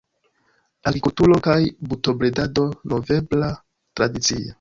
Agrikulturo kaj brutobredado movebla tradicie.